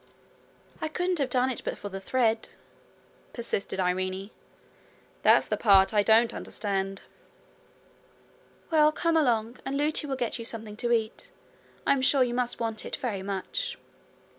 'I couldn't have done it but for the thread,' persisted Irene. 'That's the part I don't understand.' 'Well, come along, and Lootie will get you something to eat. I am sure you must want it very much.'